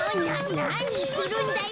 なにするんだよ。